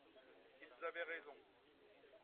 Ils avaient raison.